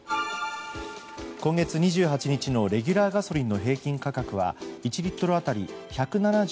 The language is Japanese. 今月２８日のレギュラーガソリンの平均価格は１リットル当たり１７４円